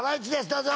どうぞ！